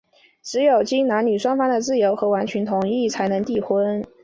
只有经男女双方的自由和完全的同意,才能缔婚。